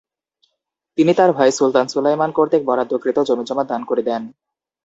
তিনি তার ভাই সুলতান সুলাইমান কর্তৃক বরাদ্দকৃত জমিজমা দান করে দেন।